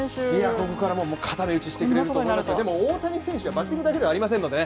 ここから固め打ちしてくれると思いますがでも大谷選手はバッティングだけではありませんのでね。